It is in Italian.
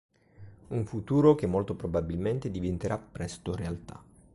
Un futuro che molto probabilmente diventerà presto realtà.